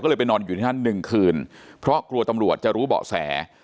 ก็เลยไปนอนอยู่ที่นั่นหนึ่งคืนเพราะกลัวตำรวจจะรู้เบาะแส